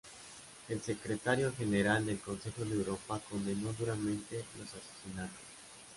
El secretario general del Consejo de Europa condenó duramente los asesinatos.